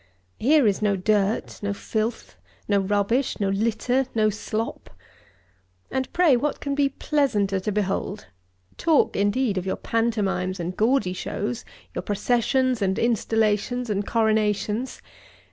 Here is no dirt, no filth, no rubbish, no litter, no slop. And, pray, what can be pleasanter to behold? Talk, indeed, of your pantomimes and gaudy shows; your processions and installations and coronations!